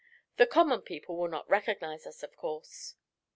The common people will not recognize us, of course."